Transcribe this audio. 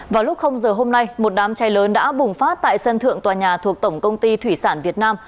vào lúc giờ hôm nay một đám cháy lớn đã bùng phát tại sân thượng tòa nhà thuộc tổng công ty thủy sản việt nam